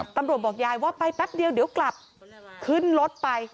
บอกยายว่าไปแป๊บเดียวเดี๋ยวกลับขึ้นรถไป